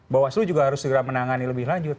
bahwa seluruh juga harus segera menangani lebih lanjut